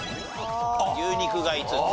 牛肉が５つ。